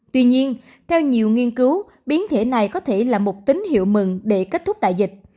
tuy nhiên theo nhiều nghiên cứu biến thể này có thể là một tín hiệu mừng để kết thúc đại dịch